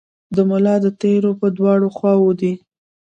د ملا د تیر په دواړو خواوو دي.